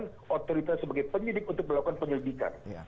menggunakan otoritas sebagai penyidik untuk melakukan penyidikan